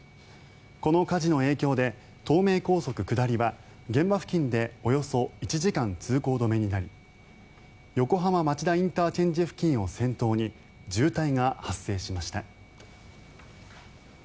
この火事の影響で東名高速下りは現場付近でおよそ１時間通行止めになり横浜町田ＩＣ付近を先頭に渋滞が発生しました。